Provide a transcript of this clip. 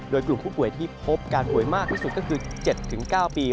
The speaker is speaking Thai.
โดยกลุ่มผู้ป่วยที่พบการป่วยมากที่สุดก็คือ๗๙ปี